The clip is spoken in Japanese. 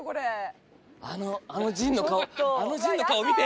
あの陣の顔あの陣の顔見て！